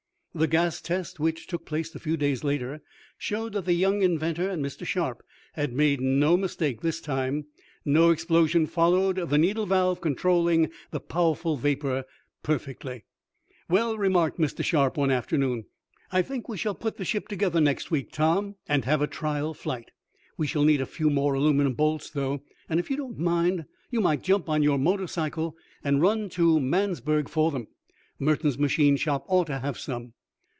The gas test, which took place a few days later, showed that the young inventor and Mr. Sharp had made no mistake this time. No explosion followed, the needle valve controlling the powerful vapor perfectly. "Well," remarked Mr. Sharp, one afternoon, "I think we shall put the ship together next week, Tom, and have a trial flight. We shall need a few more aluminum bolts, though, and if you don't mind you might jump on your motor cycle and run to Mansburg for them. Merton's machine shop ought to have some."